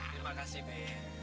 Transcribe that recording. terima kasih ben